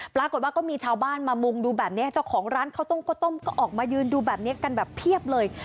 ปรากฏว่าก็มีชาวบ้านมามุงดูแบบนี้เจ้าของร้านข้าวต้มข้าวต้มก็ออกมายืนดูแบบนี้กันแบบเพียบเลย